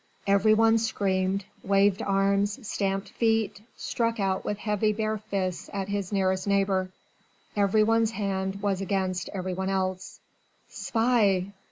Every one screamed, waved arms, stamped feet, struck out with heavy bare fists at his nearest neighbour. Every one's hand was against every one else. "Spy!